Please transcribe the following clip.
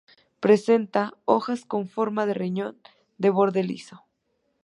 Presenta hojas con forma de riñón, de borde liso.